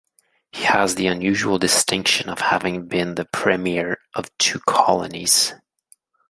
He has the unusual distinction of having been the premier of two colonies.